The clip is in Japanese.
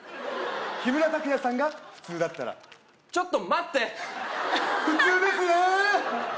木村拓哉さんが普通だったらちょっと待って普通ですね